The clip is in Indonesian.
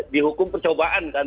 dihukum percobaan kan